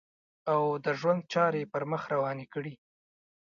او د ژوند چارې یې پر مخ روانې کړې.